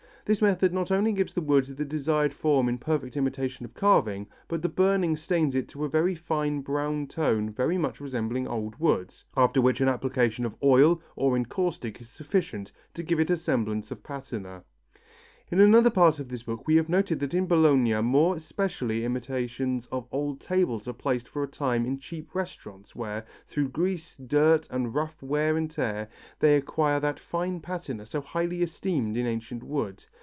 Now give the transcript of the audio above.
This method not only gives the wood the desired form in perfect imitation of carving, but the burning stains it to a fine brown tone very much resembling old wood, after which an application of oil or encaustic is sufficient to give it a semblance of patina. In another part of this book we have noted that in Bologna more especially imitations of old tables are placed for a time in cheap restaurants where, through grease, dirt and rough wear and tear, they acquire that fine patina so highly esteemed in ancient wood.